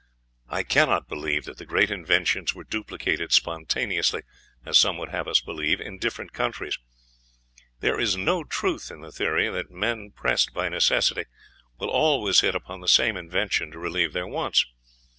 I cannot believe that the great inventions were duplicated spontaneously, as some would have us believe, in different countries; there is no truth in the theory that men pressed by necessity will always hit upon the same invention to relieve their wants.